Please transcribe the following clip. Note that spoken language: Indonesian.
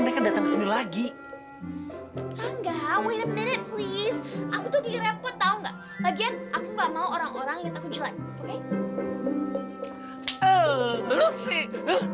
eh lu sih